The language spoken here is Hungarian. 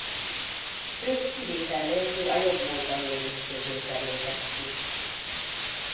Ők kivétel nélkül a jobb módban élők közül kerültek ki.